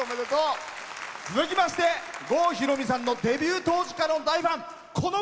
続きまして郷ひろみさんのデビュー当時からの大ファン。